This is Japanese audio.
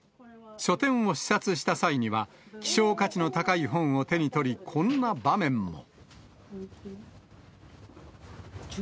書店を視察した際には、希少価値の高い本を手に取り、こんな場面も。